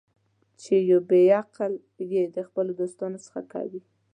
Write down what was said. چې یو بې عقل یې د خپلو دوستانو څخه کوي.